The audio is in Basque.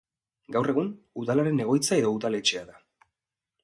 Gaur egun, Udalaren egoitza edo udaletxea da.